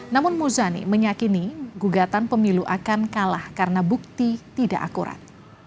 namun muzani meyakini gugatan pemilu akan kalah karena bukti tidak akurat